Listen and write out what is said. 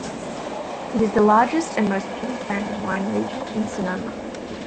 It is the largest and most fully planted wine region in Sonoma.